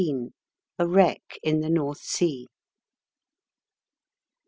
A WRECK IN THE NORTH SEA.